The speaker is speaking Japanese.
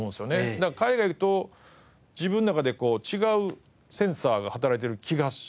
だから海外行くと自分の中で違うセンサーが働いてる気がしますけどね。